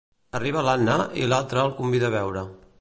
Arriba l'Anna, i l'altre el convida a beure.